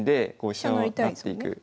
飛車を成っていく。